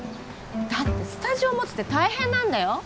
だってスタジオ持つって大変なんだよ